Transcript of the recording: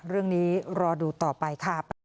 เรื่องนี้รอดูต่อไปค่ะ